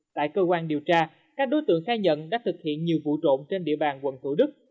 tại cơ quan điều tra các đối tượng khai nhận đã thực hiện nhiều vụ trộm trên địa bàn quận thủ đức